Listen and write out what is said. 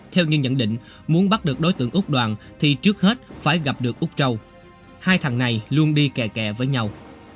theo những nhận định muốn bắt được đối tượng úc đoàn thì trước hết phải gặp được úc râu hai thằng này luôn đi kè kè với nhau